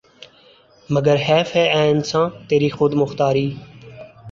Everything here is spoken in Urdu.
مگر حیف ہے اے انسان تیری خود مختاری